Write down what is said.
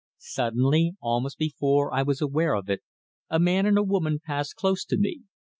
Suddenly, almost before I was aware of it, a man and a woman passed close to me.